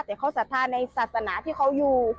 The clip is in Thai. แต่เขาศรัทธาในศาสนาที่เขาอยู่